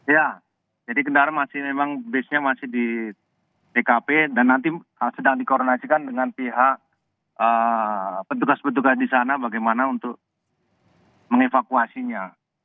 ya jadi kendaraan masih memang bisnya masih di tkp dan nanti sedang dikoordinasikan dengan pihak petugas petugas di sana bagaimana untuk mengevakuasinya